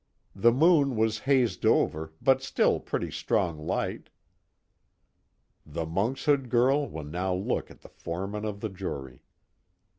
The moon was hazed over, but still pretty strong light." _The Monkshood Girl will now look at the Foreman of the Jury.